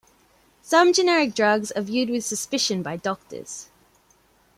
Some generic drugs are viewed with suspicion by doctors.